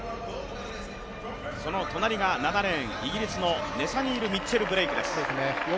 その隣が７レーン、イギリスのネサニール・ミッチェル・ブレイクです。